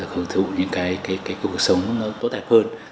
hưởng thụ những cuộc sống tốt đẹp hơn